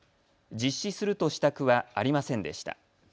実施するとした区はありませんでした。